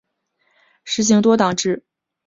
实行多党制。